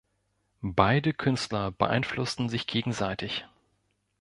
Beide Künstler beeinflussten sich gegenseitig.